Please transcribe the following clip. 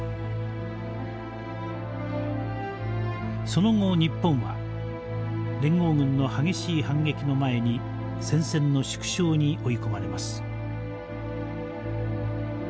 その後日本は連合軍の激しい反撃の前に戦線の縮小に追い込まれます。